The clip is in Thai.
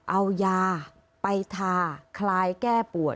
เอายาไปทาคลายแก้ปวด